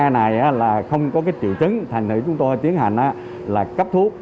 những cái ca này là không có cái triệu chứng thành hữu chúng tôi tiến hành là cấp thuốc